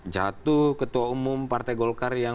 jatuh ketua umum partai golkar yang